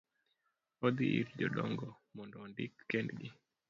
odhi ir jodongo mondo ondik kendgi.